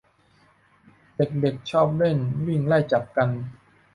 เด็กเด็กชอบเล่นวิ่งไล่จับกัน